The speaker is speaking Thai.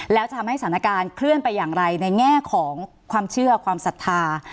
แล้วจะทำให้สถานการณ์เคลื่อนไปอย่างไรในแง่ของความเชื่อความศรัทธา